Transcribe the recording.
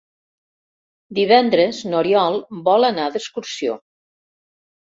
Divendres n'Oriol vol anar d'excursió.